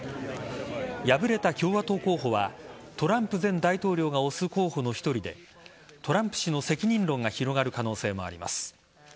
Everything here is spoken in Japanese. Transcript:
敗れた共和党候補はトランプ前大統領が推す候補の１人でトランプ氏の責任論が広がる可能性もあります。